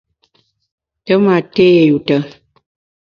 Te ma té yuta.